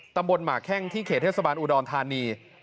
ตำบลหมาแค่งที่เขตเทศบาลอุดรธานี